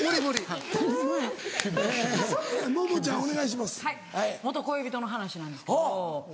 はい恋人の話なんですけど。